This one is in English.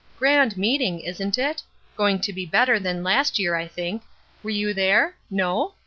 "Grand meeting, isn't it? Going to be better than last year, I think. Were you there? No?